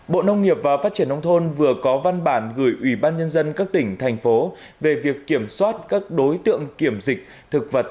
bộ nông nghiệp và phát triển nông thôn vừa có văn bản gửi ủy ban nhân dân các tỉnh thành phố về việc kiểm soát các đối tượng kiểm dịch thực vật